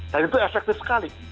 dan itu efektif sekali